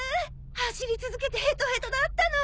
走り続けてヘトヘトだったの。